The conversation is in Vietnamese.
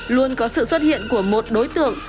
luôn có sự xuất hiện của một đối tượng